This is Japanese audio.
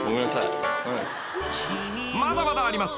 ［まだまだあります。